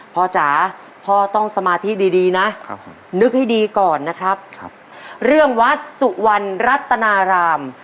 จ๋าพ่อต้องสมาธิดีนะนึกให้ดีก่อนนะครับเรื่องวัดสุวรรณรัตนาราม